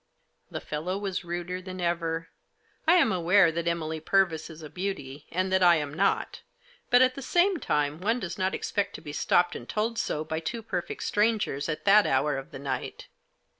The fellow was ruder than ever. I am aware that Emily Purvis is a beauty, and that I am not, but at the same time one does not expect to be stopped and told so by two perfect strangers, at that hour of the night.